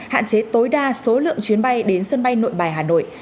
hạn chế tối đa số lượng chuyến bay đến sân bay nội bài hà nội